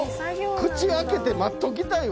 口開けて待っときたいわ。